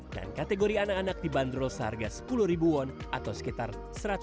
dan kategori anak anak dibanderol seharga sepuluh won atau sekitar satu ratus sepuluh rupiah